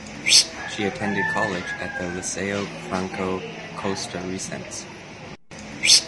She attended college at the Liceo Franco Costarricense.